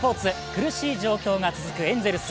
苦しい状況が続くエンゼルス。